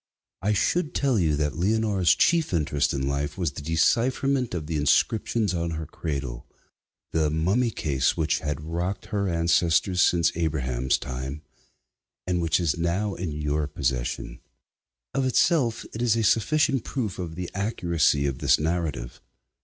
I should tell you that Leonora's chief interest in life was the decipherment of the inscriptions on her cradle the mummy case which had rocked her ancestors since Abraham's time, and which is now in your possession. Of itself it is a sufficient proof of the accuracy of this narrative.